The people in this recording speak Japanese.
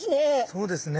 そうですね。